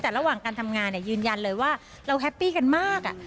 แต่ระหว่างการทำงานยืนยันเลยว่าเราแฮปปี้กันมาก